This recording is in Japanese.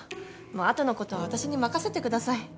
もう後のことは私に任せてください。